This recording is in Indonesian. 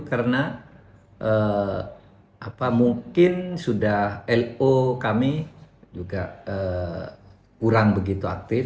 karena mungkin sudah lo kami juga kurang begitu aktif